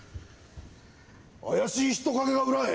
怪しい人影が裏へ。